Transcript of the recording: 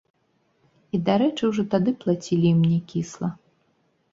І, дарэчы, ужо тады плацілі ім някісла.